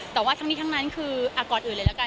แต่ว่าทั้งนี้ทั้งนั้นคือก่อนอื่นเลยแล้วกัน